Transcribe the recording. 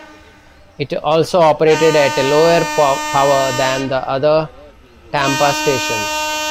It also operated at a lower power than the other Tampa stations.